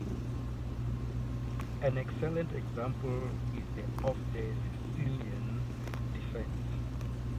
An excellent example is the of the Sicilian Defence.